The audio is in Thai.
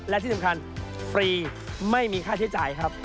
และที่สำคัญฟรีไม่มีค่าใช้จ่ายครับ